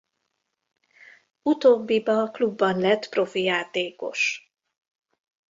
Utóbbiba klubban lett profi játékos.